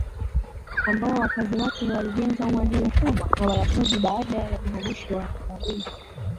ambao wakazi wake walijenga uadui mkubwa na Wayahudi baada ya uhamisho wa Babeli